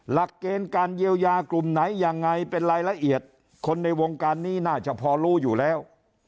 หลักเกณฑ์การเยียวยากลุ่มไหนยังไงเป็นรายละเอียดคนในวงการนี้น่าจะพอรู้อยู่แล้ว